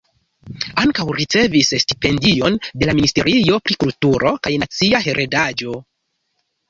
Ankaŭ ricevis stipendion de Ministerio pri Kulturo kaj Nacia Heredaĵo.